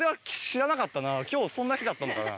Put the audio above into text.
今日そんな日だったのかな？